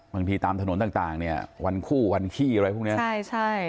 บางทีตามถนนต่างต่างเนี่ยวันคู่วันขี้อะไรพวกเนี้ยใช่ใช่